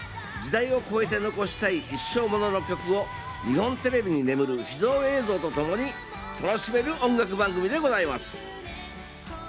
時代を超えて残したい一生ものの曲を日本テレビに眠る秘蔵映像とともに楽しめる音楽番組でございます。